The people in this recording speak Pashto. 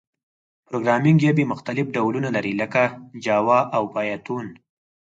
پروګرامینګ ژبي مختلف ډولونه لري، لکه جاوا او پایتون.